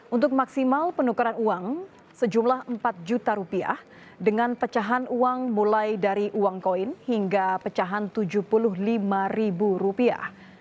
untuk maksimal penukaran uang sejumlah empat juta rupiah dengan pecahan uang mulai dari uang koin hingga pecahan tujuh puluh lima ribu rupiah